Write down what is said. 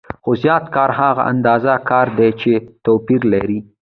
خو زیات کار هغه اندازه کار دی چې توپیر لري